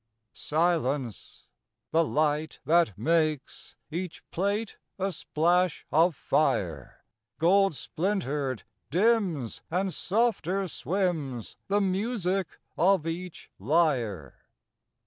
Silence. The light, that makes Each plate a splash of fire, Gold splintered, dims; and softer swims The music of each lyre.